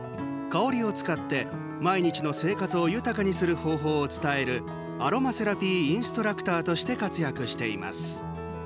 香りを使って毎日の生活を豊かにする方法を伝えるアロマセラピーインストラクターとして活躍しています。